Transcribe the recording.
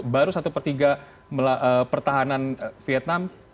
baru satu per tiga pertahanan vietnam